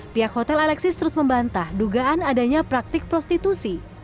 pihak hotel alexis terus membantah dugaan adanya praktik prostitusi